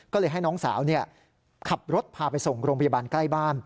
ก็เลยให้น้องสาวขับรถพาไปส่งโรงพยาบาลใกล้บ้าน